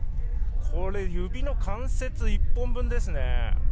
指の関節１本分ですね。